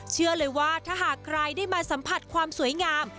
เชื่อเลยว่าถ้าหากใครได้มาสัมผัสความสวยงาม